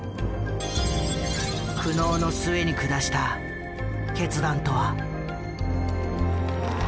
苦悩の末に下した決断とは。